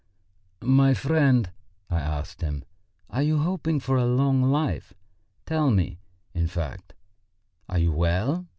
"My friend," I asked him, "are you hoping for a long life? Tell me, in fact, are you well?